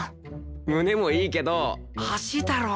胸もいいけど脚だろ！